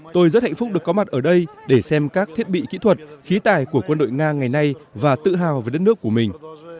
tôi rất hạnh phúc được có mặt ở đây để xem các thiết bị kỹ thuật khí tài của quân đội nga ngày nay và tự hào về đất nước của mình